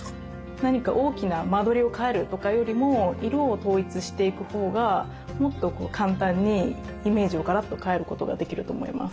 何か大きな間取りを変えるとかよりも色を統一していくほうがもっと簡単にイメージをガラッと変えることができると思います。